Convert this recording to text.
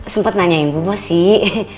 sempet nanyain bu bos sih